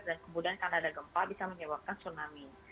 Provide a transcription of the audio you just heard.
dan kemudian karena ada gempa bisa menyebabkan tsunami